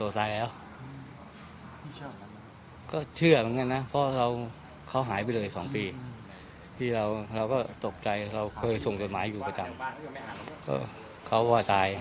เชื่อแล้วเขาหายไปเลย๒ปีที่เราเราก็ตกใจเราเคยส่งจดหมายอยู่ประจำเขาว่าตาย